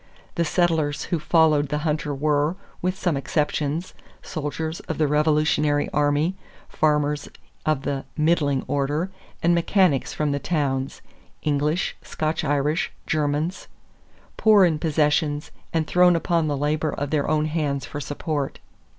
The settlers who followed the hunter were, with some exceptions, soldiers of the Revolutionary army, farmers of the "middling order," and mechanics from the towns, English, Scotch Irish, Germans, poor in possessions and thrown upon the labor of their own hands for support.